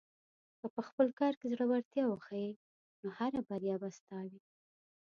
که په خپل کار کې زړۀ ورتیا وښیې، نو هره بریا به ستا وي.